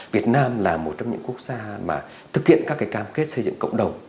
việt nam là một trong những quốc gia mà thực hiện các cái cam kết xây dựng cộng đồng